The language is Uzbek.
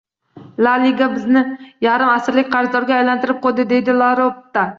“La Liga bizni yarim asrlik qarzdorga aylantirib qo‘ydi”, — deydi Laporta